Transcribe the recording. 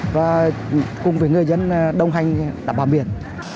và cùng với người dân đồng hành đảm bảo biển